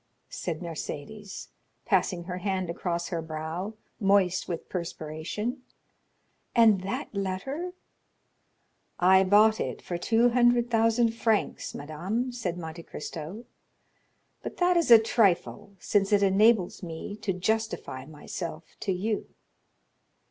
said Mercédès, passing her hand across her brow, moist with perspiration; "and that letter——" "I bought it for two hundred thousand francs, madame," said Monte Cristo; "but that is a trifle, since it enables me to justify myself to you."